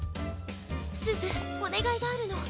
すずおねがいがあるの。